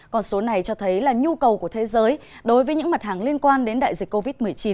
còn số này cho thấy là nhu cầu của thế giới đối với những mặt hàng liên quan đến đại dịch covid một mươi chín